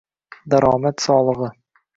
daromad solig'i